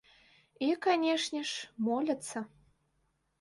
І, канешне ж, моляцца.